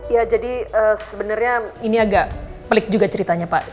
ya jadi sebenarnya ini agak pelik juga ceritanya pak